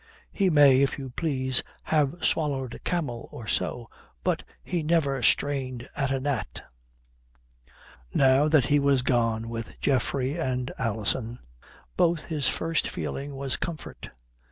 He may, if you please, have swallowed a camel or so, but he never strained at a gnat. Now that he was done with Geoffrey and Alison, both, his first feeling was comfort.